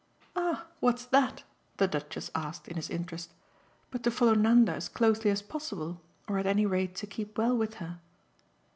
"Ah what's that," the Duchess asked in his interest, "but to follow Nanda as closely as possible, or at any rate to keep well with her?"